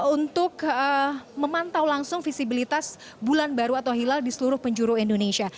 untuk memantau langsung visibilitas bulan baru atau hilal di seluruh penjuru indonesia